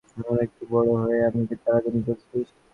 এখন একটু বড়ো হয়েই আমাকে জ্বালাতন করছিস?